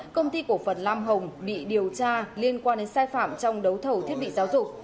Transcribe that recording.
công ty cổ phần lam hồng bị điều tra liên quan đến sai phạm trong đấu thầu thiết bị giáo dục